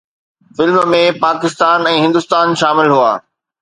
film ۾ Pakistan ۽ Hindustan شامل هئا